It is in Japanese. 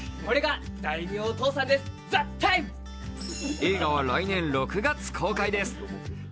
映画は来年６月公開です。